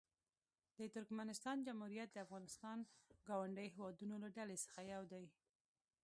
د ترکمنستان جمهوریت د افغانستان ګاونډیو هېوادونو له ډلې څخه یو دی.